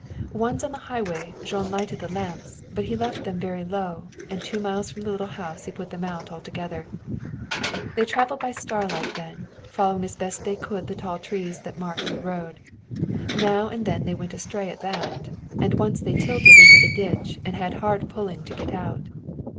Once on the highway Jean lighted the lamps, but left them very low, and two miles from the little house he put them out altogether. They traveled by starlight then, following as best they could the tall trees that marked the road. Now and then they went astray at that, and once they tilted into the ditch and had hard pulling to get out.